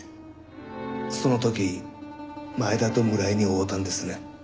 その時前田と村井に会うたんですね？